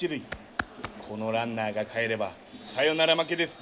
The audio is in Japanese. このランナーがかえればサヨナラ負けです。